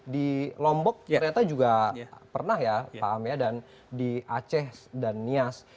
di lombok ternyata juga pernah ya pak am ya dan di aceh dan nias